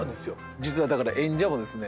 実はだから演者もですね